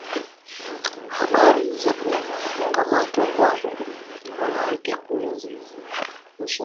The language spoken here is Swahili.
Habari za kukamatwa kwa mwanamke huyo zilizusha hasira miongoni mwa baadhi ya Wanyarwanda